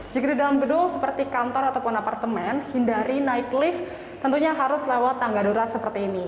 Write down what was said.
jika di dalam gedung seperti kantor ataupun apartemen hindari naik lift tentunya harus lewat tangga darurat seperti ini